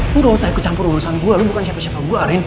lo nggak usah ikut campur urusan gue lo bukan siapa siapa gue arin